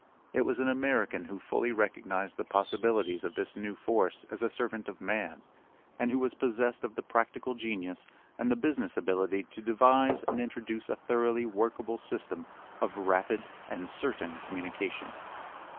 It was an American who fully recognized the possibilities of this new force as a servant of man, and who was possessed of the practical genius and the business ability to devise and introduce a thoroughly workable system of rapid and certain communication.